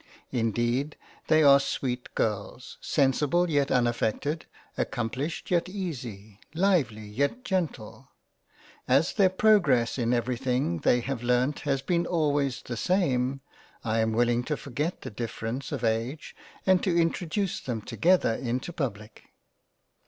Indeed they are sweet Girls —. Sensible yet unaffected — Accomplished yet Easy —. Lively yet Gentle —. As their progress in every thing they have learnt has been always the same, I am willing to forget the difference of age, and to introduce them together into Public.